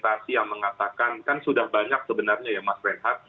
ada yang mengatakan kan sudah banyak sebenarnya ya mas reinhardt